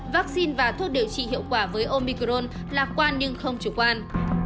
vaccine và thuốc điều trị hiệu quả với omicron lạc quan nhưng không chủ quan